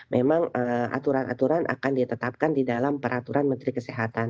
memang aturan aturan akan ditetapkan di dalam peraturan menteri kesehatan